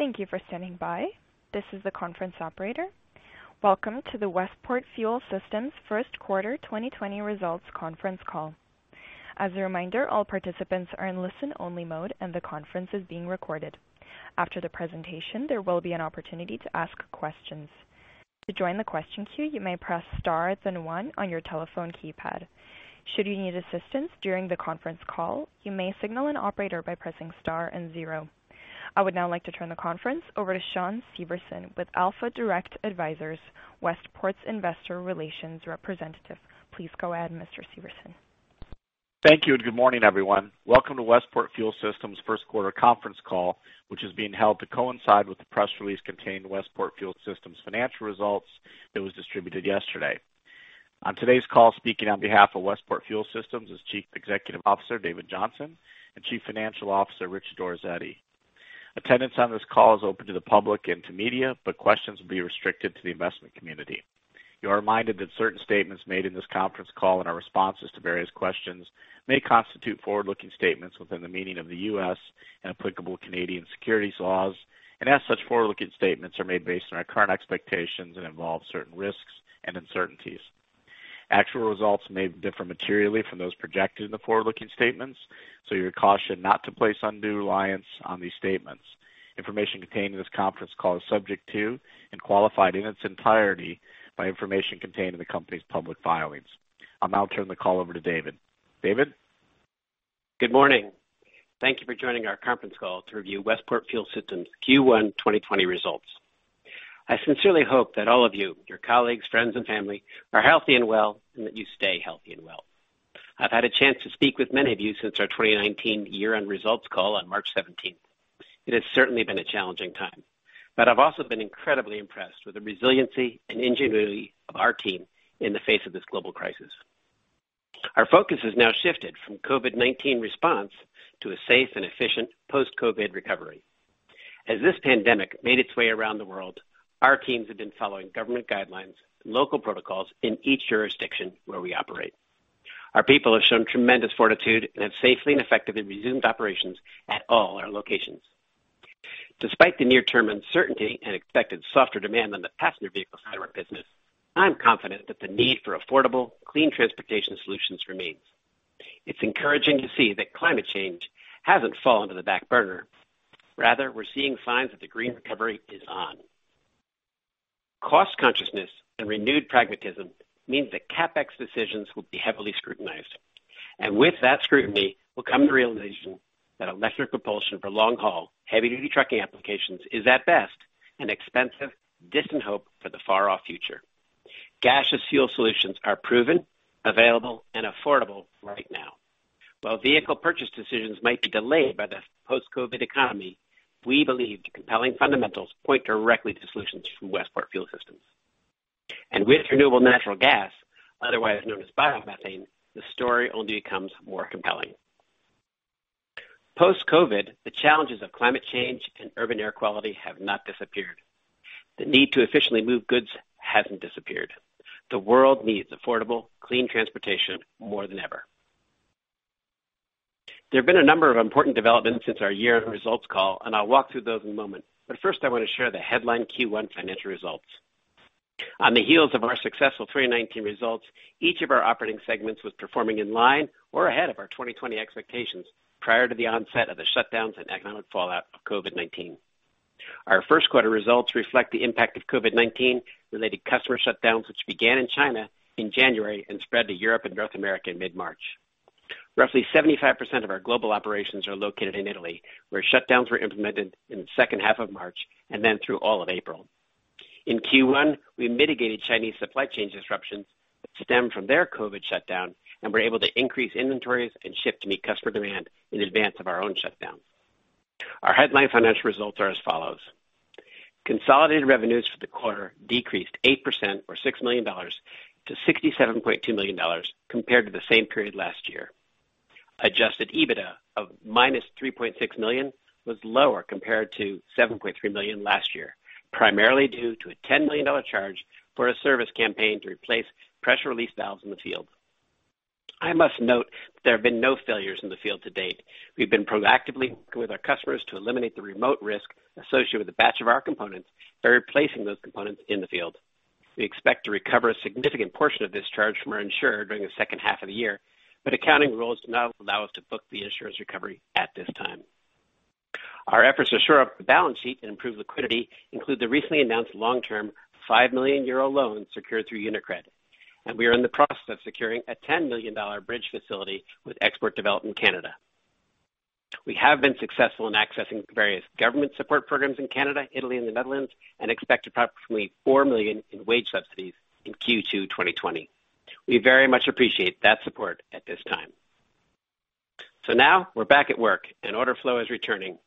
Thank you for standing by. This is the conference operator. Welcome to the Westport Fuel Systems first quarter 2020 results conference call. As a reminder, all participants are in listen-only mode, and the conference is being recorded. After the presentation, there will be an opportunity to ask questions. To join the question queue, you may press star then one on your telephone keypad. Should you need assistance during the conference call, you may signal an operator by pressing star and zero. I would now like to turn the conference over to Shawn Severson with alphaDIRECT Advisors, Westport's investor relations representative. Please go ahead, Mr. Severson. Thank you, good morning, everyone. Welcome to Westport Fuel Systems' first quarter conference call, which is being held to coincide with the press release containing Westport Fuel Systems' financial results that was distributed yesterday. On today's call, speaking on behalf of Westport Fuel Systems is Chief Executive Officer, David Johnson, and Chief Financial Officer, Rich Orazietti. Attendance on this call is open to the public and to media, but questions will be restricted to the investment community. You are reminded that certain statements made in this conference call and our responses to various questions may constitute forward-looking statements within the meaning of the U.S. and applicable Canadian securities laws, and as such, forward-looking statements are made based on our current expectations and involve certain risks and uncertainties. Actual results may differ materially from those projected in the forward-looking statements. You're cautioned not to place undue reliance on these statements. Information contained in this conference call is subject to and qualified in its entirety by information contained in the company's public filings. I'll now turn the call over to David. David? Good morning. Thank you for joining our conference call to review Westport Fuel Systems' Q1 2020 results. I sincerely hope that all of you, your colleagues, friends, and family, are healthy and well, and that you stay healthy and well. I've had a chance to speak with many of you since our 2019 year-end results call on March 17th. It has certainly been a challenging time, but I've also been incredibly impressed with the resiliency and ingenuity of our team in the face of this global crisis. Our focus has now shifted from COVID-19 response to a safe and efficient post-COVID recovery. As this pandemic made its way around the world, our teams have been following government guidelines and local protocols in each jurisdiction where we operate. Our people have shown tremendous fortitude and have safely and effectively resumed operations at all our locations. Despite the near-term uncertainty and expected softer demand on the passenger vehicle side of our business, I'm confident that the need for affordable, clean transportation solutions remains. It's encouraging to see that climate change hasn't fallen to the back burner. We're seeing signs that the green recovery is on. Cost consciousness and renewed pragmatism means that CapEx decisions will be heavily scrutinized. With that scrutiny will come the realization that electric propulsion for long-haul, heavy-duty trucking applications is, at best, an expensive, distant hope for the far-off future. Gaseous fuel solutions are proven, available, and affordable right now. While vehicle purchase decisions might be delayed by the post-COVID economy, we believe the compelling fundamentals point directly to solutions from Westport Fuel Systems. With renewable natural gas, otherwise known as biomethane, the story only becomes more compelling. Post-COVID-19, the challenges of climate change and urban air quality have not disappeared. The need to efficiently move goods hasn't disappeared. The world needs affordable, clean transportation more than ever. There have been a number of important developments since our year-end results call, I'll walk through those in a moment. First, I want to share the headline Q1 financial results. On the heels of our successful 2019 results, each of our operating segments was performing in line or ahead of our 2020 expectations prior to the onset of the shutdowns and economic fallout of COVID-19. Our first quarter results reflect the impact of COVID-19 related customer shutdowns, which began in China in January and spread to Europe and North America in mid-March. Roughly 75% of our global operations are located in Italy, where shutdowns were implemented in the second half of March through all of April. In Q1, we mitigated Chinese supply chain disruptions that stemmed from their COVID-19 shutdown and were able to increase inventories and ship to meet customer demand in advance of our own shutdown. Our headline financial results are as follows. Consolidated revenues for the quarter decreased 8% or $6 million-$67.2 million compared to the same period last year. Adjusted EBITDA of -$3.6 million was lower compared to $7.3 million last year, primarily due to a $10 million charge for a service campaign to replace pressure relief valves in the field. I must note there have been no failures in the field to date. We've been proactively working with our customers to eliminate the remote risk associated with a batch of our components by replacing those components in the field. We expect to recover a significant portion of this charge from our insurer during the second half of the year, accounting rules do not allow us to book the insurance recovery at this time. Our efforts to shore up the balance sheet and improve liquidity include the recently announced long-term 5 million euro loan secured through UniCredit, and we are in the process of securing a $10 million bridge facility with Export Development Canada. We have been successful in accessing various government support programs in Canada, Italy, and the Netherlands, and expect approximately $4 million in wage subsidies in Q2 2020. We very much appreciate that support at this time. Now we're back at work and order flow is returning.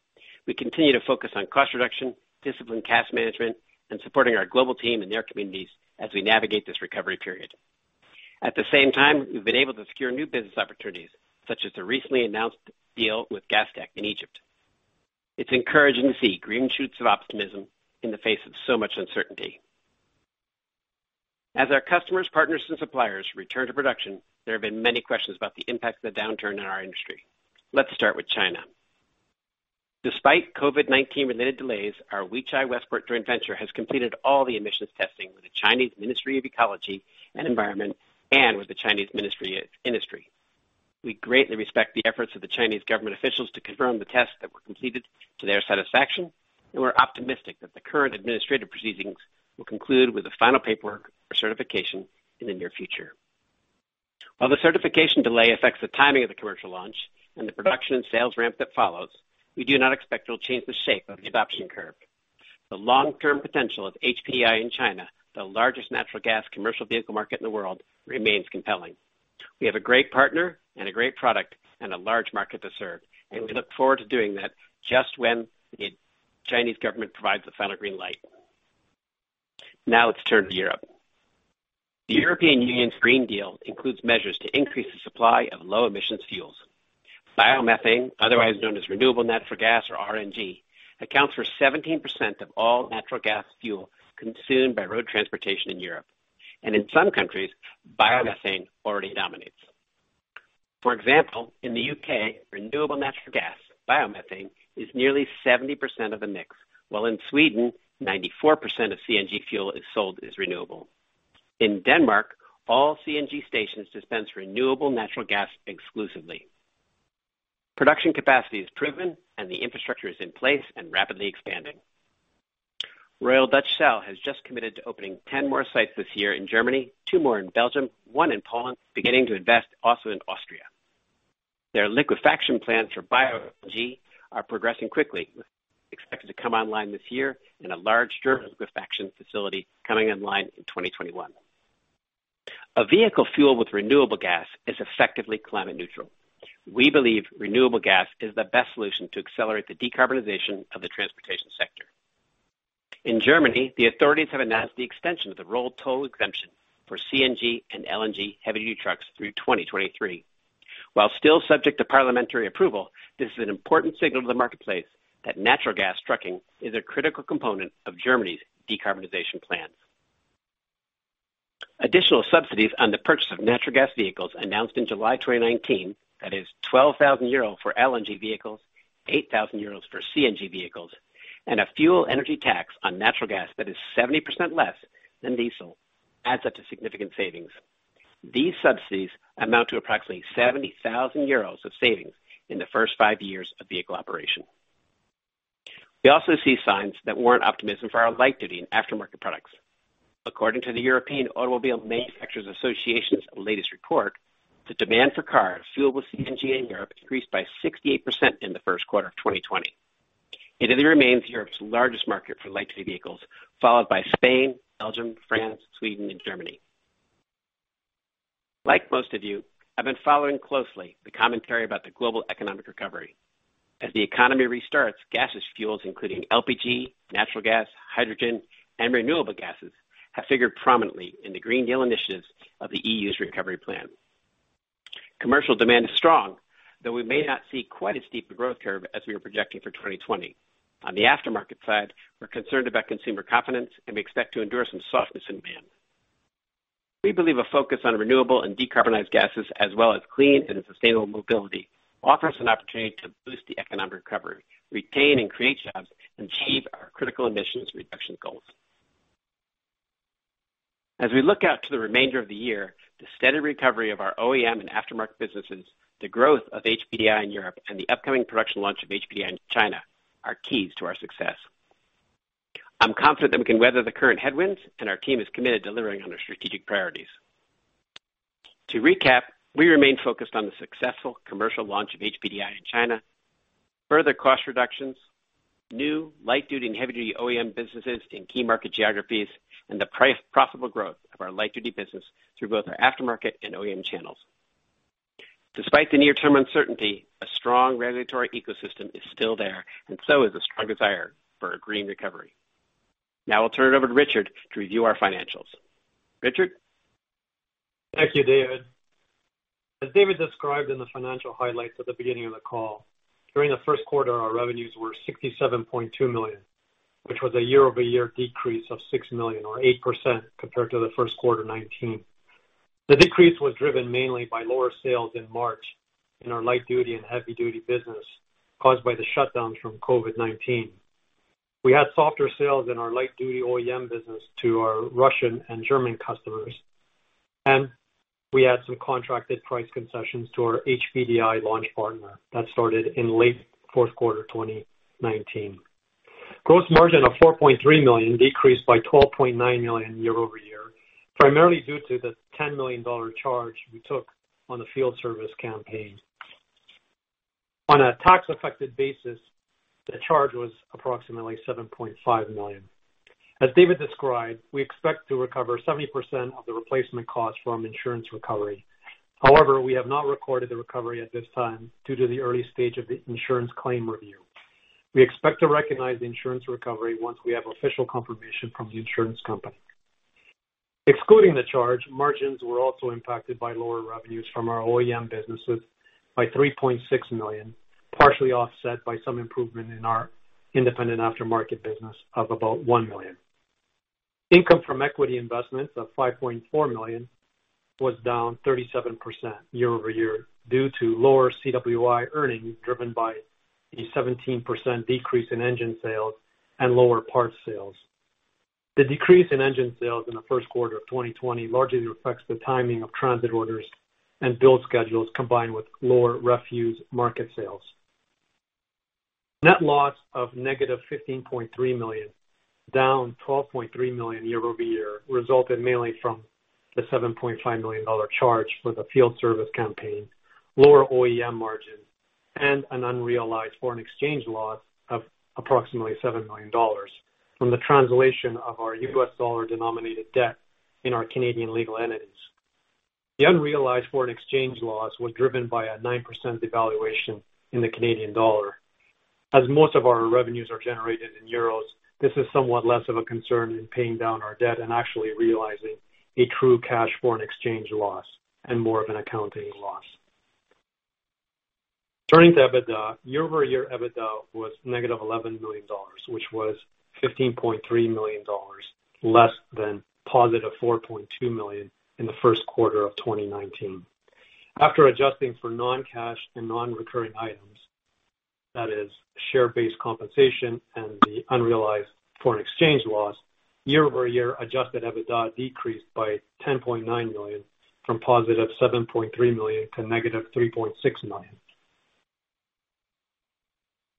We continue to focus on cost reduction, disciplined cash management, and supporting our global team and their communities as we navigate this recovery period. At the same time, we've been able to secure new business opportunities, such as the recently announced deal with GASTEC in Egypt. It's encouraging to see green shoots of optimism in the face of so much uncertainty. As our customers, partners, and suppliers return to production, there have been many questions about the impact of the downturn in our industry. Let's start with China. Despite COVID-19 related delays, our Weichai Westport joint venture has completed all the emissions testing with the Ministry of Ecology and Environment of China and with the Chinese Ministry of Industry. We greatly respect the efforts of the Chinese government officials to confirm the tests that were completed to their satisfaction, and we're optimistic that the current administrative proceedings will conclude with the final paperwork for certification in the near future. While the certification delay affects the timing of the commercial launch and the production and sales ramp that follows, we do not expect it will change the shape of the adoption curve. The long-term potential of HPDI in China, the largest natural gas commercial vehicle market in the world, remains compelling. We have a great partner and a great product and a large market to serve, and we look forward to doing that just when the Chinese government provides the final green light. Now let's turn to Europe. The European Union's Green Deal includes measures to increase the supply of low emissions fuels. Biomethane, otherwise known as renewable natural gas or RNG, accounts for 17% of all natural gas fuel consumed by road transportation in Europe. In some countries, biomethane already dominates. For example, in the U.K., renewable natural gas, biomethane, is nearly 70% of the mix, while in Sweden, 94% of CNG fuel is sold as renewable. In Denmark, all CNG stations dispense renewable natural gas exclusively. Production capacity is proven and the infrastructure is in place and rapidly expanding. Royal Dutch Shell has just committed to opening 10 more sites this year in Germany, two more in Belgium, one in Poland, beginning to invest also in Austria. Their liquefaction plants for bio-LNG are progressing quickly, with expected to come online this year and a large German liquefaction facility coming online in 2021. A vehicle fueled with renewable gas is effectively climate neutral. We believe renewable gas is the best solution to accelerate the decarbonization of the transportation sector. In Germany, the authorities have announced the extension of the road toll exemption for CNG and LNG heavy-duty trucks through 2023. While still subject to parliamentary approval, this is an important signal to the marketplace that natural gas trucking is a critical component of Germany's decarbonization plan. Additional subsidies on the purchase of natural gas vehicles announced in July 2019, that is 12,000 euro for LNG vehicles, 8,000 euros for CNG vehicles, and a fuel energy tax on natural gas that is 70% less than diesel, adds up to significant savings. These subsidies amount to approximately 70,000 euros of savings in the first five years of vehicle operation. We also see signs that warrant optimism for our light-duty and aftermarket products. According to the European Automobile Manufacturers' Association's latest report, the demand for cars fueled with CNG in Europe increased by 68% in the first quarter of 2020. Italy remains Europe's largest market for light-duty vehicles, followed by Spain, Belgium, France, Sweden, and Germany. Like most of you, I've been following closely the commentary about the global economic recovery. As the economy restarts, gaseous fuels, including LPG, natural gas, hydrogen, and renewable gases, have figured prominently in the Green Deal initiatives of the EU's recovery plan. Commercial demand is strong, though we may not see quite as steep a growth curve as we are projecting for 2020. On the aftermarket side, we're concerned about consumer confidence, and we expect to endure some softness in demand. We believe a focus on renewable and decarbonized gases, as well as clean and sustainable mobility, offers an opportunity to boost the economic recovery, retain and create jobs, and achieve our critical emissions reduction goals. As we look out to the remainder of the year, the steady recovery of our OEM and aftermarket businesses, the growth of HPDI in Europe, and the upcoming production launch of HPDI in China are keys to our success. I'm confident that we can weather the current headwinds, and our team is committed to delivering on our strategic priorities. To recap, we remain focused on the successful commercial launch of HPDI in China, further cost reductions, new light-duty and heavy-duty OEM businesses in key market geographies, and the profitable growth of our light-duty business through both our aftermarket and OEM channels. Despite the near-term uncertainty, a strong regulatory ecosystem is still there, and so is the strong desire for a green recovery. I'll turn it over to Richard to review our financials. Richard? Thank you, David. As David described in the financial highlights at the beginning of the call, during the first quarter, our revenues were $67.2 million, which was a year-over-year decrease of $6 million or 8% compared to the first quarter 2019. The decrease was driven mainly by lower sales in March in our light-duty and heavy-duty business, caused by the shutdowns from COVID-19. We had softer sales in our light-duty OEM business to our Russian and German customers, and we had some contracted price concessions to our HPDI launch partner that started in late fourth quarter 2019. Gross margin of $4.3 million decreased by $12.9 million year-over-year, primarily due to the $10 million charge we took on the field service campaign. On a tax-affected basis, the charge was approximately $7.5 million. As David described, we expect to recover 70% of the replacement cost from insurance recovery. However, we have not recorded the recovery at this time due to the early stage of the insurance claim review. We expect to recognize the insurance recovery once we have official confirmation from the insurance company. Excluding the charge, margins were also impacted by lower revenues from our OEM businesses by $3.6 million. Partially offset by some improvement in our independent aftermarket business of about $1 million. Income from equity investments of $5.4 million was down 37% year-over-year due to lower CWI earnings, driven by a 17% decrease in engine sales and lower parts sales. The decrease in engine sales in the first quarter of 2020 largely reflects the timing of transit orders and build schedules, combined with lower refuse market sales. Net loss of -$15.3 million, down $12.3 million year-over-year, resulted mainly from the $7.5 million charge for the field service campaign, lower OEM margins, and an unrealized foreign exchange loss of approximately $7 million from the translation of our U.S. dollar denominated debt in our Canadian legal entities. The unrealized foreign exchange loss was driven by a 9% devaluation in the Canadian dollar. As most of our revenues are generated in euros, this is somewhat less of a concern in paying down our debt and actually realizing a true cash foreign exchange loss and more of an accounting loss. Turning to EBITDA. Year-over-year, EBITDA was -$11 million, which was $15.3 million less than +$4.2 million in the first quarter of 2019. After adjusting for non-cash and non-recurring items, that is share-based compensation and the unrealized foreign exchange loss, year-over-year adjusted EBITDA decreased by $10.9 million from +$7.3 million to -$3.6 million.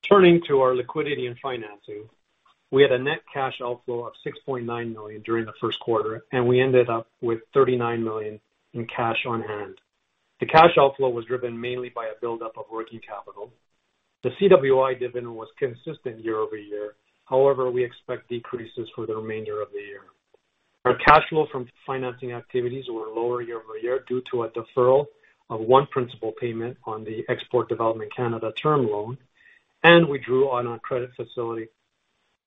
Turning to our liquidity and financing. We had a net cash outflow of $6.9 million during the first quarter, and we ended up with $39 million in cash on hand. The cash outflow was driven mainly by a buildup of working capital. The CWI dividend was consistent year-over-year. However, we expect decreases for the remainder of the year. Our cash flow from financing activities were lower year-over-year due to a deferral of one principal payment on the Export Development Canada term loan, and we drew on our credit facility.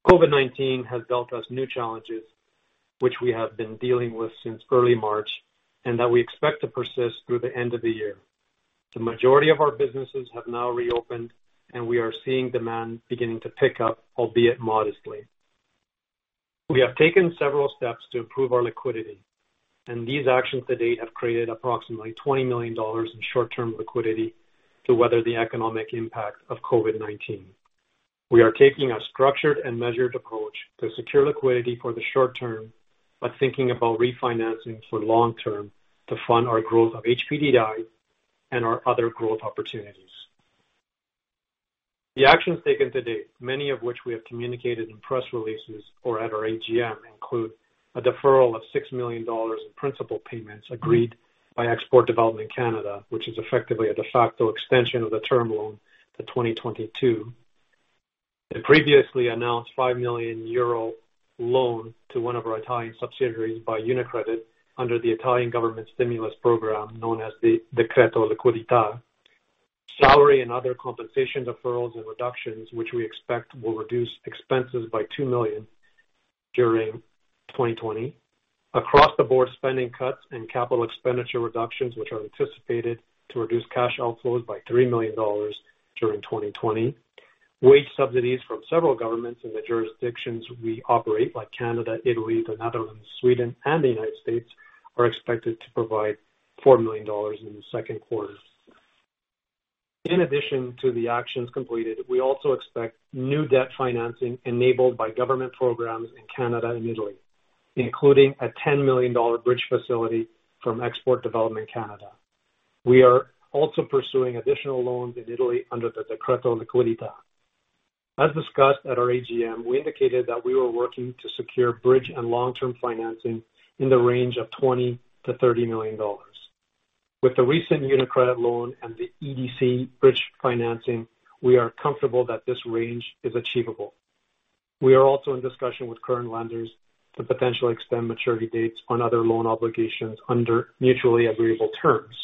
COVID-19 has dealt us new challenges, which we have been dealing with since early March, and that we expect to persist through the end of the year. The majority of our businesses have now reopened, and we are seeing demand beginning to pick up, albeit modestly. We have taken several steps to improve our liquidity, and these actions to date have created approximately $20 million in short-term liquidity to weather the economic impact of COVID-19. We are taking a structured and measured approach to secure liquidity for the short term, but thinking about refinancing for long term to fund our growth of HPDI and our other growth opportunities. The actions taken to date, many of which we have communicated in press releases or at our AGM, include a deferral of 6 million dollars in principal payments agreed by Export Development Canada, which is effectively a de facto extension of the term loan to 2022. The previously announced 5 million euro loan to one of our Italian subsidiaries by UniCredit under the Italian government stimulus program known as the Decreto Liquidità. Salary and other compensation deferrals and reductions, which we expect will reduce expenses by 2 million during 2020. Across the board spending cuts and capital expenditure reductions, which are anticipated to reduce cash outflows by 3 million dollars during 2020. Wage subsidies from several governments in the jurisdictions we operate, like Canada, Italy, the Netherlands, Sweden, and the United States, are expected to provide 4 million dollars in the second quarter. In addition to the actions completed, we also expect new debt financing enabled by government programs in Canada and Italy, including a $10 million bridge facility from Export Development Canada. We are also pursuing additional loans in Italy under the Decreto Liquidità. As discussed at our AGM, we indicated that we were working to secure bridge and long-term financing in the range of $20 million-$30 million. With the recent UniCredit loan and the EDC bridge financing, we are comfortable that this range is achievable. We are also in discussion with current lenders to potentially extend maturity dates on other loan obligations under mutually agreeable terms.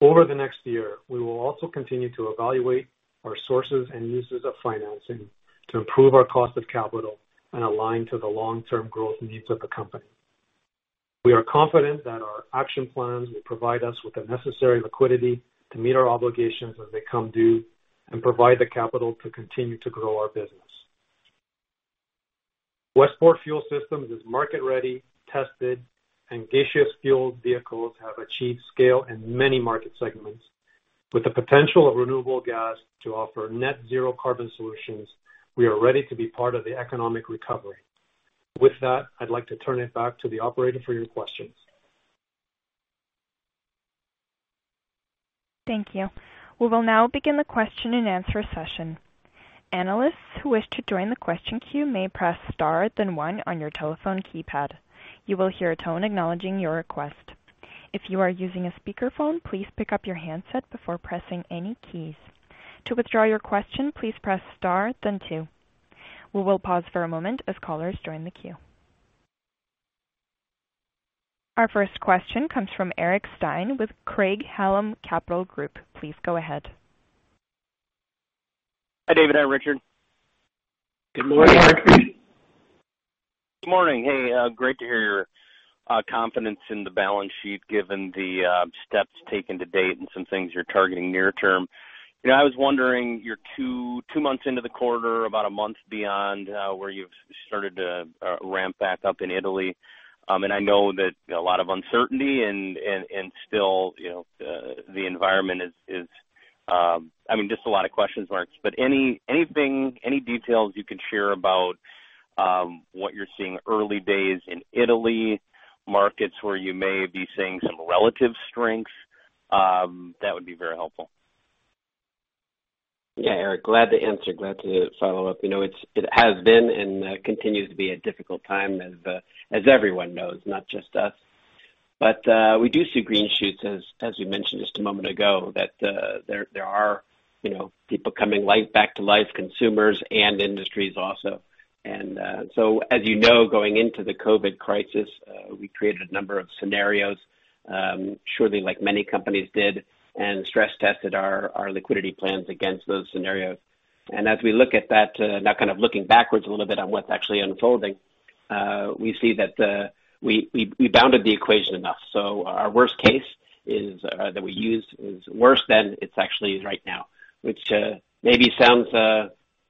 Over the next year, we will also continue to evaluate our sources and uses of financing to improve our cost of capital and align to the long-term growth needs of the company. We are confident that our action plans will provide us with the necessary liquidity to meet our obligations as they come due and provide the capital to continue to grow our business. Westport Fuel Systems is market ready, tested, and gaseous-fueled vehicles have achieved scale in many market segments. With the potential of renewable gas to offer net zero carbon solutions, we are ready to be part of the economic recovery. With that, I'd like to turn it back to the operator for your questions. Thank you. We will now begin the question and answer session. Analysts who wish to join the question queue may press star, then one on your telephone keypad. You will hear a tone acknowledging your request. If you are using a speakerphone, please pick up your handset before pressing any keys. To withdraw your question, please press star then two. We will pause for a moment as callers join the queue. Our first question comes from Eric Stine with Craig-Hallum Capital Group. Please go ahead. Hi, David. Hi, Richard. Good morning, Eric. Good morning. Hey, great to hear your confidence in the balance sheet, given the steps taken to date and some things you're targeting near term. I was wondering, you're two months into the quarter, about a month beyond where you've started to ramp back up in Italy. I know that a lot of uncertainty and still the environment is just a lot of question marks. Anything, any details you can share about what you're seeing early days in Italy, markets where you may be seeing some relative strengths, that would be very helpful. Eric, glad to answer. Glad to follow up. It has been and continues to be a difficult time as everyone knows, not just us. We do see green shoots, as you mentioned just a moment ago, that there are people coming back to life, consumers and industries also. As you know, going into the COVID-19 crisis, we created a number of scenarios, surely like many companies did, and stress tested our liquidity plans against those scenarios. As we look at that, now kind of looking backwards a little bit on what's actually unfolding, we see that we bounded the equation enough. Our worst case that we used is worse than it's actually right now, which maybe sounds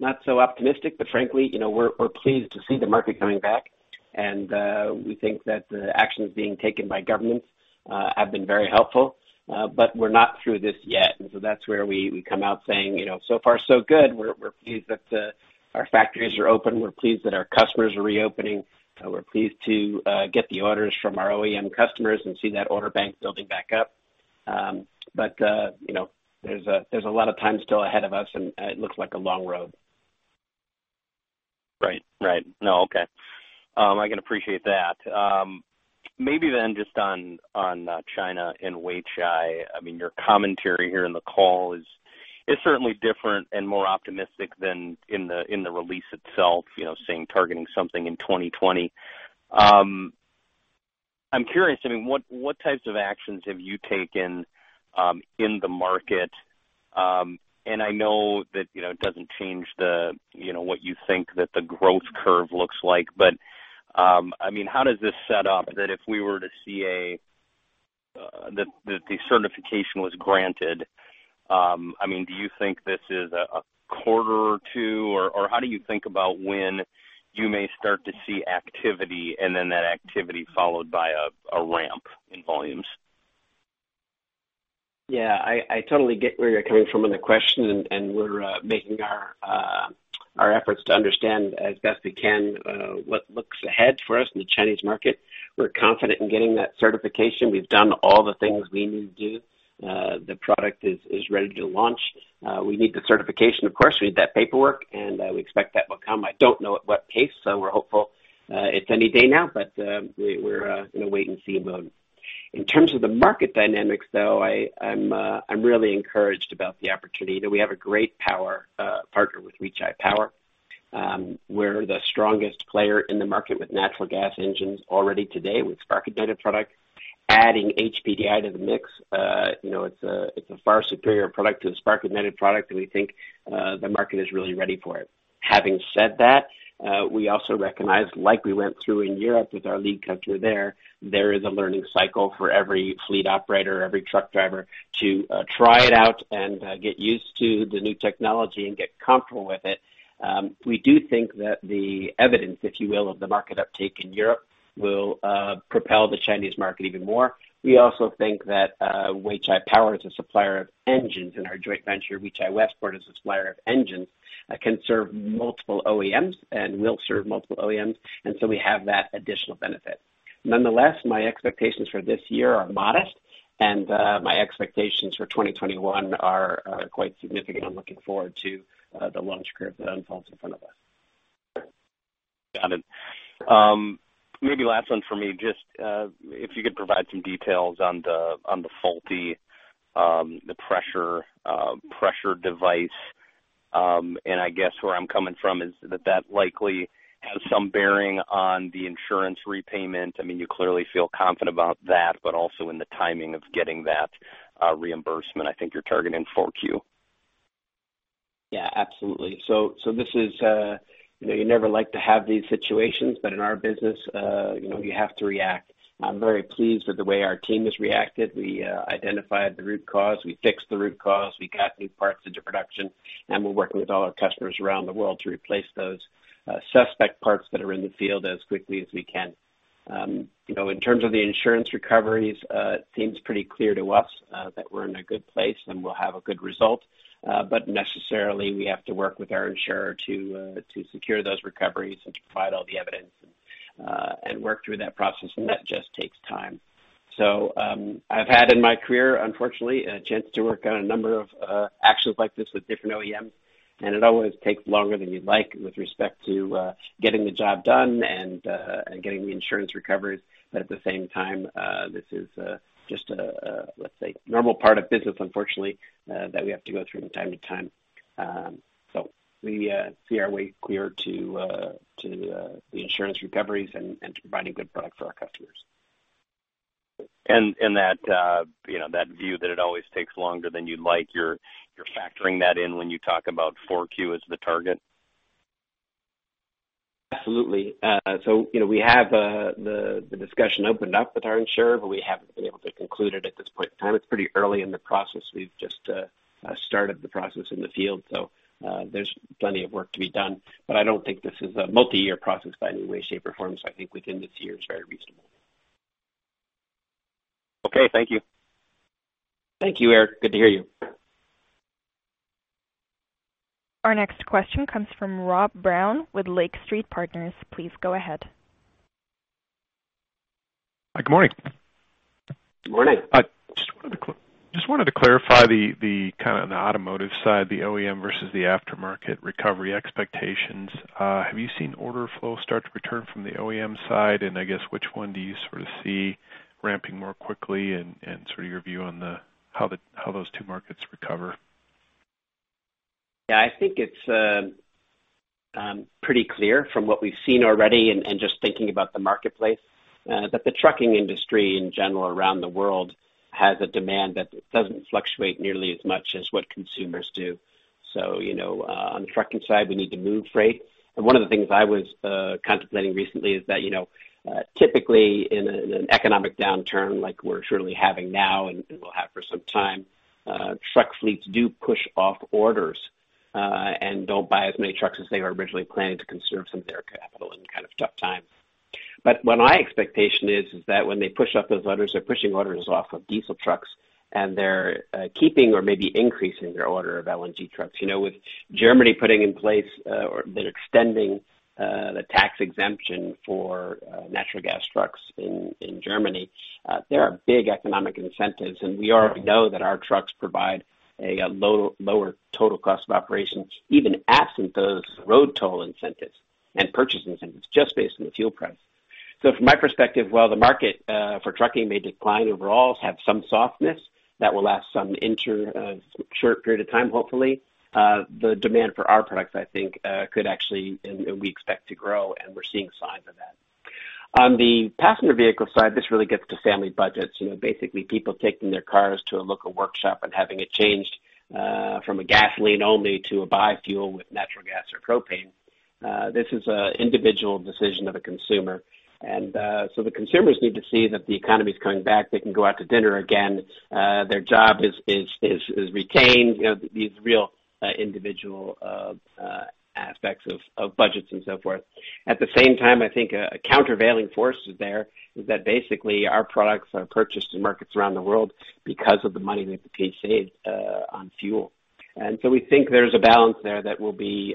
not so optimistic, but frankly, we're pleased to see the market coming back, and we think that the actions being taken by governments have been very helpful. We're not through this yet. That's where we come out saying, so far so good. We're pleased that our factories are open. We're pleased that our customers are reopening. We're pleased to get the orders from our OEM customers and see that order bank building back up. There's a lot of time still ahead of us, and it looks like a long road. Right. No, okay. I can appreciate that. Maybe then just on China and Weichai, your commentary here in the call is certainly different and more optimistic than in the release itself, saying targeting something in 2020. I'm curious, what types of actions have you taken in the market? I know that it doesn't change what you think that the growth curve looks like. How does this set up that if we were to see that the certification was granted, do you think this is a quarter two, or how do you think about when you may start to see activity and then that activity followed by a ramp in volumes? Yeah, I totally get where you're coming from on the question and we're making our efforts to understand as best we can what looks ahead for us in the Chinese market. We're confident in getting that certification. We've done all the things we need to do. The product is ready to launch. We need the certification, of course, we need that paperwork, and we expect that will come. I don't know at what pace. We're hopeful it's any day now, but we're in a wait-and-see mode. In terms of the market dynamics, though, I'm really encouraged about the opportunity that we have a great partner with Weichai Power. We're the strongest player in the market with natural gas engines already today with spark-ignited products. Adding HPDI to the mix, it's a far superior product to the spark-ignited product, and we think the market is really ready for it. Having said that, we also recognize, like we went through in Europe with our lead country there is a learning cycle for every fleet operator, every truck driver to try it out and get used to the new technology and get comfortable with it. We do think that the evidence, if you will, of the market uptake in Europe will propel the Chinese market even more. We also think that Weichai Power is a supplier of engines in our joint venture. Weichai Westport is a supplier of engines, can serve multiple OEMs, and will serve multiple OEMs. We have that additional benefit. Nonetheless, my expectations for this year are modest, and my expectations for 2021 are quite significant. I'm looking forward to the launch curve that unfolds in front of us. Got it. Maybe last one for me, just if you could provide some details on the faulty pressure device. I guess where I'm coming from is that likely has some bearing on the insurance repayment. You clearly feel confident about that, also in the timing of getting that reimbursement. I think you're targeting 4Q. Absolutely. You never like to have these situations, but in our business you have to react. I'm very pleased with the way our team has reacted. We identified the root cause. We fixed the root cause. We got new parts into production, and we're working with all our customers around the world to replace those suspect parts that are in the field as quickly as we can. In terms of the insurance recoveries, it seems pretty clear to us that we're in a good place and we'll have a good result. Necessarily, we have to work with our insurer to secure those recoveries and to provide all the evidence and work through that process. That just takes time. I've had in my career, unfortunately, a chance to work on a number of actions like this with different OEMs, and it always takes longer than you'd like with respect to getting the job done and getting the insurance recovered. At the same time, this is just a, let's say, normal part of business, unfortunately, that we have to go through from time to time. We see our way clear to the insurance recoveries and to providing good product for our customers. That view that it always takes longer than you'd like, you're factoring that in when you talk about 4Q as the target? Absolutely. We have the discussion opened up with our insurer, but we haven't been able to conclude it at this point in time. It's pretty early in the process. We've just started the process in the field, there's plenty of work to be done. I don't think this is a multi-year process by any way, shape, or form, I think within this year is very reasonable. Okay. Thank you. Thank you, Eric. Good to hear you. Our next question comes from Rob Brown with Lake Street Partners. Please go ahead. Hi. Good morning. Good morning. Just wanted to clarify the kind of the automotive side, the OEM versus the aftermarket recovery expectations. Have you seen order flow start to return from the OEM side? I guess, which one do you sort of see ramping more quickly and sort of your view on how those two markets recover? I think it's pretty clear from what we've seen already and just thinking about the marketplace, that the trucking industry in general around the world has a demand that doesn't fluctuate nearly as much as what consumers do. On the trucking side, we need to move freight. One of the things I was contemplating recently is that, typically in an economic downturn like we're currently having now and will have for some time, truck fleets do push off orders, and don't buy as many trucks as they originally planned to conserve some of their capital in kind of tough times. What my expectation is that when they push up those orders, they're pushing orders off of diesel trucks, and they're keeping or maybe increasing their order of LNG trucks. With Germany putting in place or they're extending the tax exemption for natural gas trucks in Germany, there are big economic incentives, and we already know that our trucks provide a lower total cost of operations, even absent those road toll incentives and purchase incentives, just based on the fuel price. From my perspective, while the market for trucking may decline overall, have some softness that will last some short period of time, hopefully, the demand for our products, I think, could actually, and we expect to grow, and we're seeing signs of that. On the passenger vehicle side, this really gets to family budgets. Basically, people taking their cars to a local workshop and having it changed from a gasoline only to a biofuel with natural gas or propane. This is an individual decision of a consumer. The consumers need to see that the economy's coming back. They can go out to dinner again. Their job is retained. These real individual aspects of budgets and so forth. At the same time, I think a countervailing force is there is that basically our products are purchased in markets around the world because of the money that the HPDI saves on fuel. We think there's a balance there that will be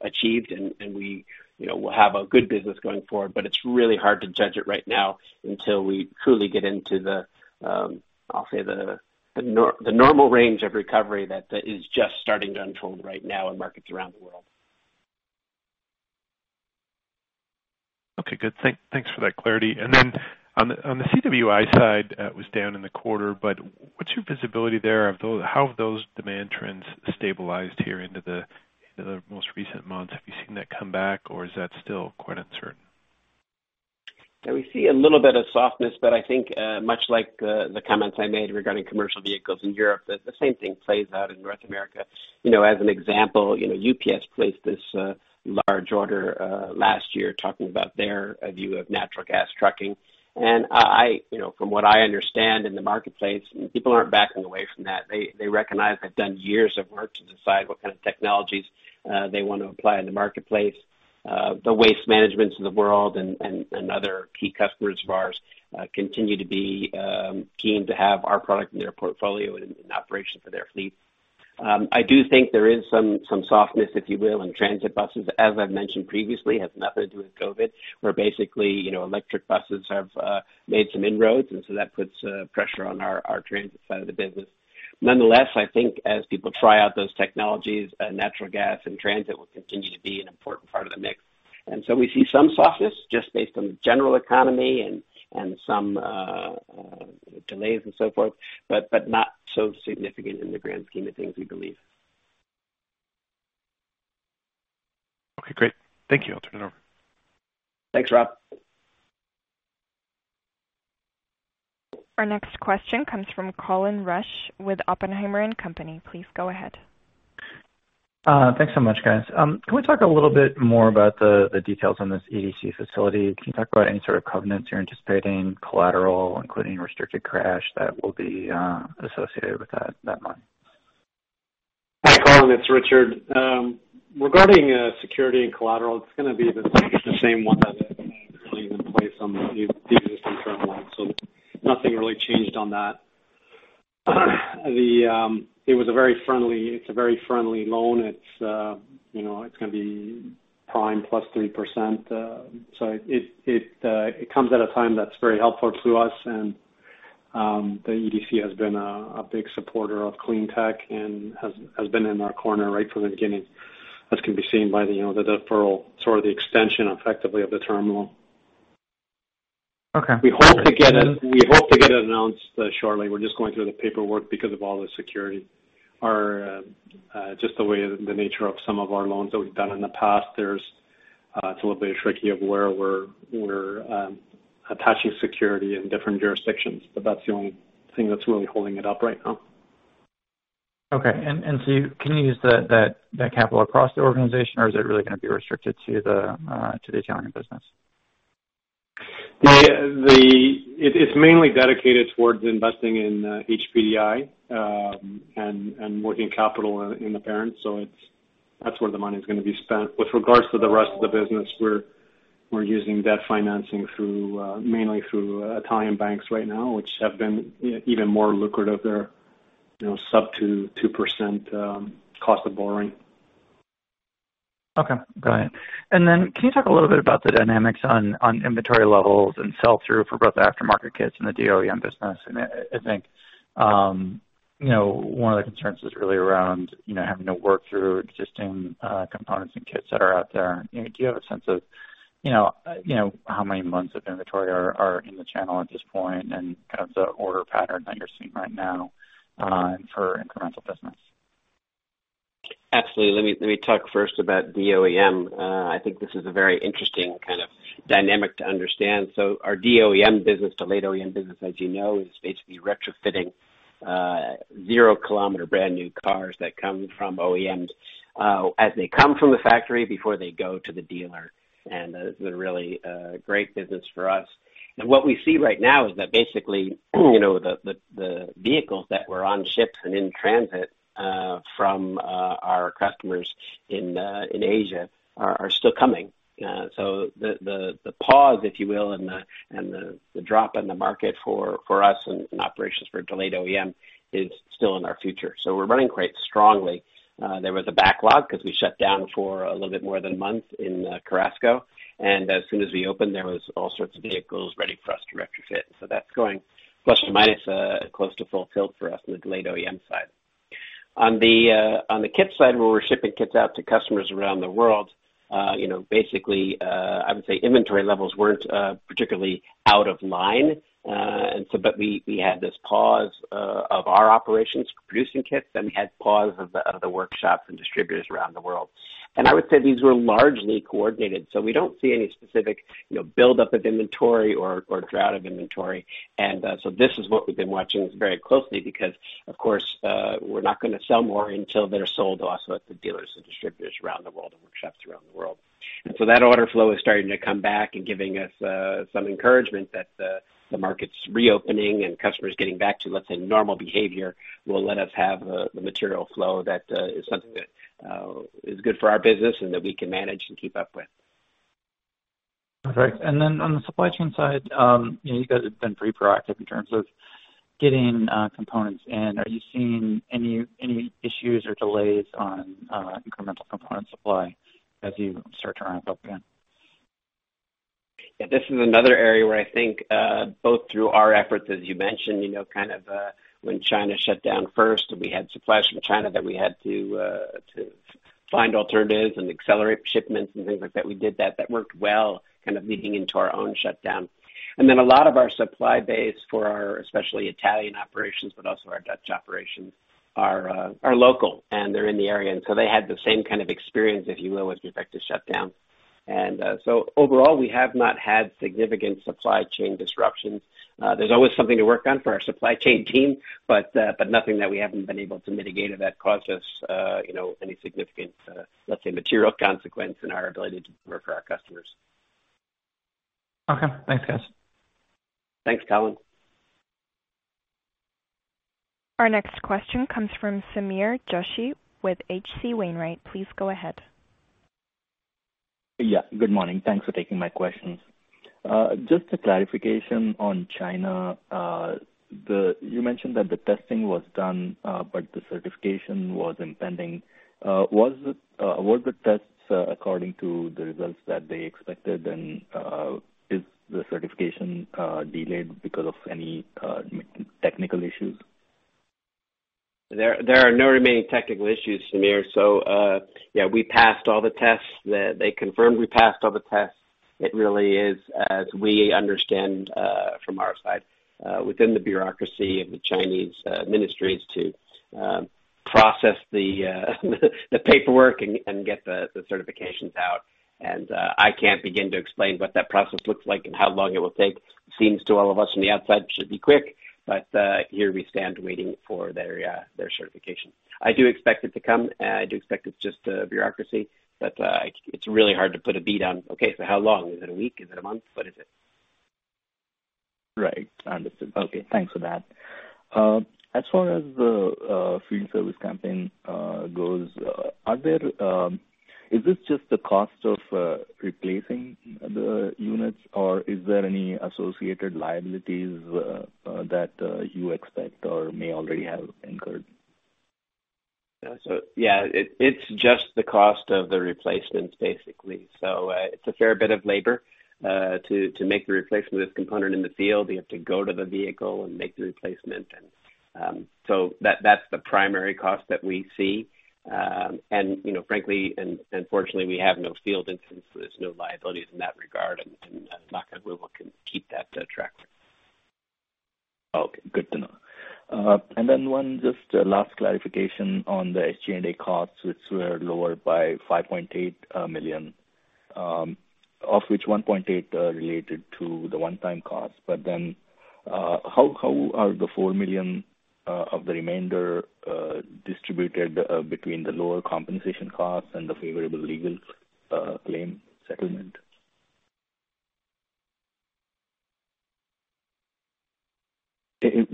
achieved, and we'll have a good business going forward, but it's really hard to judge it right now until we truly get into the, I'll say, the normal range of recovery that is just starting to unfold right now in markets around the world. Okay, good. Thanks for that clarity. On the CWI side, was down in the quarter, but what's your visibility there? How have those demand trends stabilized here into the most recent months? Have you seen that come back or is that still quite uncertain? We see a little bit of softness, but I think, much like the comments I made regarding commercial vehicles in Europe, that the same thing plays out in North America. As an example, UPS placed this large order last year talking about their view of natural gas trucking. From what I understand in the marketplace, people aren't backing away from that. They recognize they've done years of work to decide what kind of technologies they want to apply in the marketplace. The Waste Management in the world and other key customers of ours continue to be keen to have our product in their portfolio and in operation for their fleet. I do think there is some softness, if you will, in transit buses, as I've mentioned previously, has nothing to do with COVID-19, where basically, electric buses have made some inroads, and so that puts pressure on our transit side of the business. Nonetheless, I think as people try out those technologies, natural gas and transit will continue to be an important part of the mix. We see some softness just based on the general economy and some delays and so forth, but not so significant in the grand scheme of things, we believe. Okay, great. Thank you. I'll turn it over. Thanks, Rob. Our next question comes from Colin Rusch with Oppenheimer & Company. Please go ahead. Thanks so much, guys. Can we talk a little bit more about the details on this EDC facility? Can you talk about any sort of covenants you're anticipating, collateral, including restricted cash that will be associated with that money? Hi, Colin, it's Richard. Regarding security and collateral, it's going to be the same one that we had originally in place on the existing term loan. Nothing really changed on that. It's a very friendly loan. It's going to be prime +3%. It comes at a time that's very helpful to us, and the EDC has been a big supporter of clean tech and has been in our corner right from the beginning, as can be seen by the deferral, sort of the extension effectively of the term loan. Okay. We hope to get it announced shortly. We're just going through the paperwork because of all the security. The nature of some of our loans that we've done in the past, it's a little bit tricky of where we're attaching security in different jurisdictions, but that's the only thing that's really holding it up right now. Can you use that capital across the organization, or is it really going to be restricted to the Italian business? It's mainly dedicated towards investing in HPDI, and working capital in the parent. That's where the money's going to be spent. With regards to the rest of the business, we're using debt financing mainly through Italian banks right now, which have been even more lucrative. They're sub 2% cost of borrowing. Okay. Go ahead. Then can you talk a little bit about the dynamics on inventory levels and sell-through for both the aftermarket kits and the DOEM business? I think one of the concerns is really around having to work through existing components and kits that are out there. Do you have a sense of how many months of inventory are in the channel at this point and kind of the order pattern that you're seeing right now for incremental business? Absolutely. Let me talk first about DOEM. I think this is a very interesting kind of dynamic to understand. Our DOEM business, delayed OEM business, as you know, is basically retrofitting zero-kilometer brand-new cars that come from OEMs, as they come from the factory before they go to the dealer. It's been really a great business for us. What we see right now is that basically, the vehicles that were on ships and in transit from our customers in Asia are still coming. The pause, if you will, and the drop in the market for us and operations for delayed OEM is still in our future. We're running quite strongly. There was a backlog because we shut down for a little bit more than a month in Cherasco, and as soon as we opened, there was all sorts of vehicles ready for us to retrofit. That's going plus or minus close to fulfilled for us on the delayed OEM side. On the kit side, where we're shipping kits out to customers around the world, basically, I would say inventory levels weren't particularly out of line. We had this pause of our operations producing kits, then we had pause of the workshops and distributors around the world. I would say these were largely coordinated. We don't see any specific buildup of inventory or drought of inventory. This is what we've been watching very closely because, of course, we're not going to sell more until they're sold also at the dealers, the distributors around the world, the workshops around the world. That order flow is starting to come back and giving us some encouragement that the market's reopening and customers getting back to, let's say, normal behavior will let us have the material flow. That is something that is good for our business and that we can manage and keep up with. Perfect. On the supply chain side, you guys have been pretty proactive in terms of getting components in. Are you seeing any issues or delays on incremental component supply as you start to ramp up again? This is another area where I think, both through our efforts, as you mentioned, kind of when China shut down first, we had supplies from China that we had to find alternatives and accelerate shipments and things like that, we did that. That worked well, kind of leading into our own shutdown. A lot of our supply base for our, especially Italian operations, but also our Dutch operations, are local, and they're in the area. They had the same kind of experience, if you will, with respect to shutdown. Overall, we have not had significant supply chain disruptions. There's always something to work on for our supply chain team, but nothing that we haven't been able to mitigate or that caused us any significant, let's say, material consequence in our ability to deliver for our customers. Okay. Thanks, guys. Thanks, Colin. Our next question comes from Sameer Joshi with H.C. Wainwright. Please go ahead. Yeah, good morning. Thanks for taking my questions. Just a clarification on China. You mentioned that the testing was done, but the certification was impending. Were the tests according to the results that they expected, and is the certification delayed because of any technical issues? There are no remaining technical issues, Sameer. Yeah, we passed all the tests. They confirmed we passed all the tests. It really is, as we understand from our side, within the bureaucracy of the Chinese ministries to process the paperwork and get the certifications out. I can't begin to explain what that process looks like and how long it will take. It seems to all of us on the outside it should be quick, but here we stand waiting for their certification. I do expect it to come. I do expect it's just bureaucracy, but it's really hard to put a beat on, okay, so how long? Is it a week? Is it a month? What is it? Right. Understood. Okay. Thanks for that. As far as the field service campaign goes, is this just the cost of replacing the units, or are there any associated liabilities that you expect or may already have incurred? Yeah, it's just the cost of the replacements, basically. It's a fair bit of labor to make the replacement of this component in the field. You have to go to the vehicle and make the replacement. That's the primary cost that we see. Frankly, and fortunately, we have no field instances, no liabilities in that regard, and knock on wood, we can keep that track record. Okay, good to know. One just last clarification on the SG&A costs, which were lower by $5.8 million, of which $1.8 are related to the one-time cost. How are the $4 million of the remainder distributed between the lower compensation costs and the favorable legal claim settlement?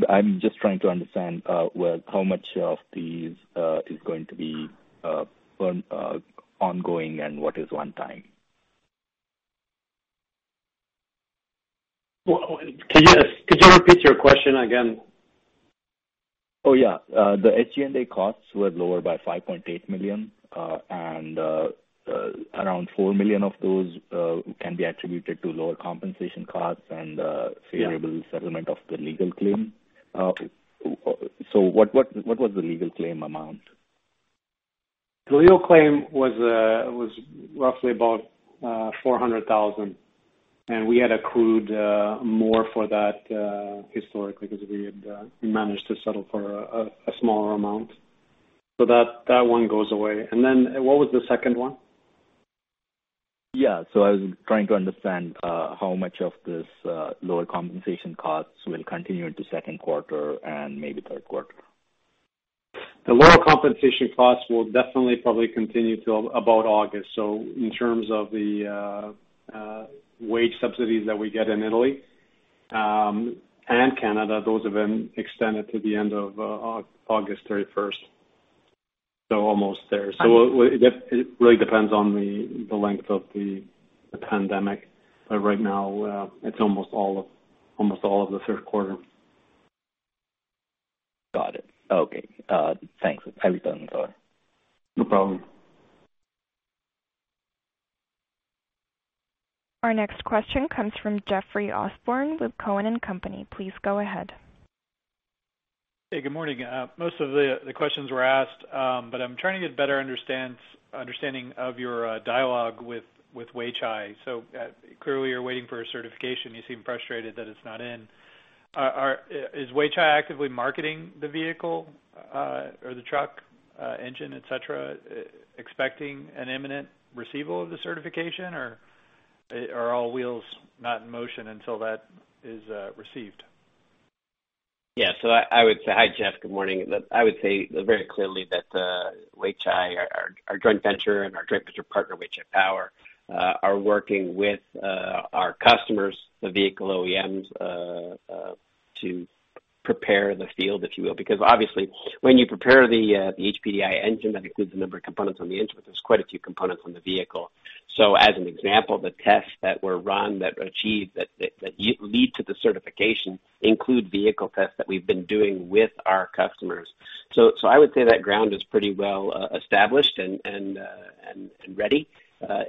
I'm just trying to understand how much of these is going to be ongoing and what is one time. Well, could you repeat your question again? Oh, yeah. The SG&A costs were lower by $5.8 million, and around $4 million of those can be attributed to lower compensation costs. Yeah favorable settlement of the legal claim. What was the legal claim amount? The legal claim was roughly about $400,000. We had accrued more for that historically because we had managed to settle for a smaller amount. That one goes away. What was the second one? Yeah. I was trying to understand how much of this lower compensation costs will continue into second quarter and maybe third quarter. The lower compensation costs will definitely probably continue until about August. In terms of the wage subsidies that we get in Italy and Canada, those have been extended to the end of August 31st. Almost there. It really depends on the length of the pandemic. Right now, it's almost all of the third quarter. Got it. Okay. Thanks. Everything's clear. No problem. Our next question comes from Jeffrey Osborne with Cowen and Company. Please go ahead. Hey, good morning. Most of the questions were asked, but I'm trying to get better understanding of your dialogue with Weichai. Clearly you're waiting for a certification. You seem frustrated that it's not in. Is Weichai actively marketing the vehicle or the truck engine, et cetera, expecting an imminent receivable of the certification, or are all wheels not in motion until that is received? Yeah. Hi, Jeff. Good morning. I would say very clearly that Weichai, our joint venture and our joint venture partner, Weichai Power, are working with our customers, the vehicle OEMs, to prepare the field, if you will, because obviously when you prepare the HPDI engine, that includes a number of components on the engine, but there's quite a few components on the vehicle. As an example, the tests that were run that lead to the certification include vehicle tests that we've been doing with our customers. I would say that ground is pretty well established and ready.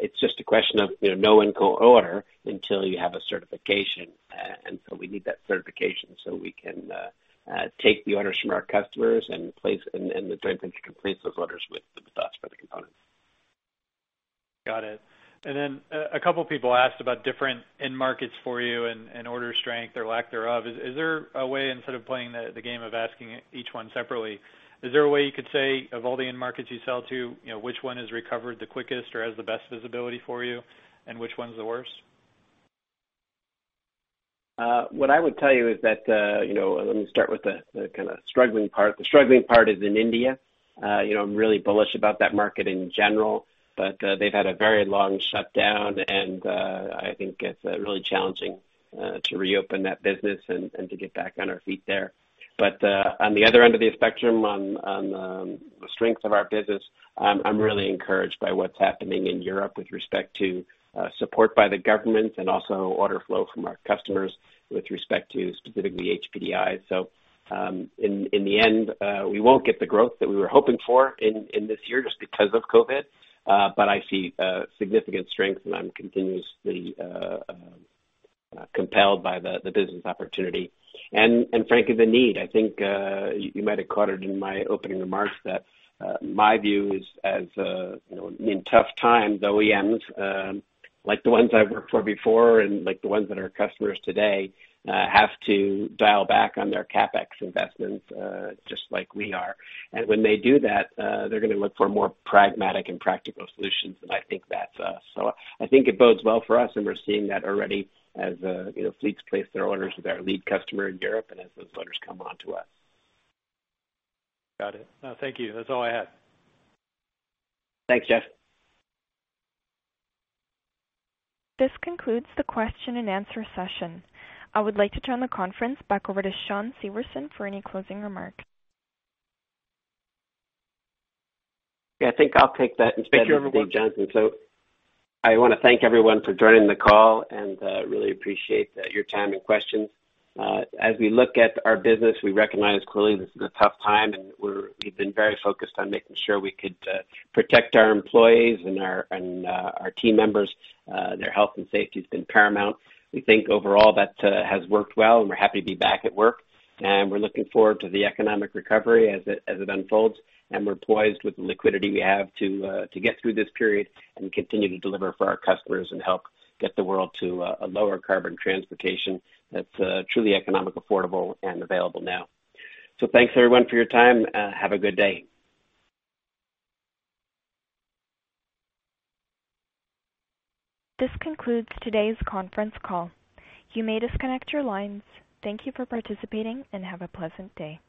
It's just a question of no one can order until you have a certification. We need that certification so we can take the orders from our customers, and the joint venture completes those orders with the thoughts for the components. Got it. Then a couple people asked about different end markets for you and order strength or lack thereof. Instead of playing the game of asking each one separately, is there a way you could say of all the end markets you sell to, which one has recovered the quickest or has the best visibility for you, and which one's the worst? What I would tell you is that, let me start with the kind of struggling part. The struggling part is in India. I'm really bullish about that market in general, but they've had a very long shutdown, and I think it's really challenging to reopen that business and to get back on our feet there. On the other end of the spectrum, on the strengths of our business, I'm really encouraged by what's happening in Europe with respect to support by the government and also order flow from our customers with respect to specifically HPDI. In the end, we won't get the growth that we were hoping for in this year just because of COVID-19, but I see significant strength and I'm continuously compelled by the business opportunity and frankly, the need. I think you might have caught it in my opening remarks that my view is as in tough times, OEMs, like the ones I've worked for before and like the ones that are customers today, have to dial back on their CapEx investments just like we are. When they do that, they're going to look for more pragmatic and practical solutions, and I think that's us. I think it bodes well for us, and we're seeing that already as fleets place their orders with our lead customer in Europe and as those orders come on to us. Got it. No, thank you. That's all I had. Thanks, Jeff. This concludes the question and answer session. I would like to turn the conference back over to Shawn Severson for any closing remarks. Yeah, I think I'll take that instead of Shawn Severson. Thank you, everyone. I want to thank everyone for joining the call and really appreciate your time and questions. As we look at our business, we recognize clearly this is a tough time, and we've been very focused on making sure we could protect our employees and our team members. Their health and safety has been paramount. We think overall that has worked well, and we're happy to be back at work. We're looking forward to the economic recovery as it unfolds, and we're poised with the liquidity we have to get through this period and continue to deliver for our customers and help get the world to a lower carbon transportation that's truly economic, affordable, and available now. Thanks everyone for your time. Have a good day. This concludes today's conference call. You may disconnect your lines. Thank you for participating, and have a pleasant day.